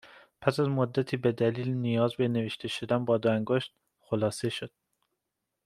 پس از مدّتی به دلیل نیاز به نوشتهشدن با دو انگشت، خلاصه شد